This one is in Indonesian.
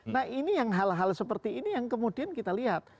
nah ini yang hal hal seperti ini yang kemudian kita lihat